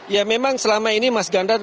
ya memang selama ini mas ganjar